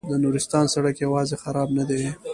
د نورستان سړک یوازې خراب نه دی.